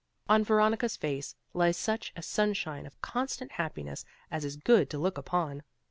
On Veronica's face lies such a sunshine of constant happiness as is good to look upon.